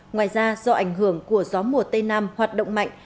ngoài ra do ảnh hưởng của gió mùa tây nam hoạt động mạnh